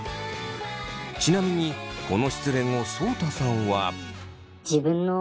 ちなみにこの失恋をそうたさんは。